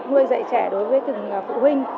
nuôi dạy trẻ đối với từng phụ huynh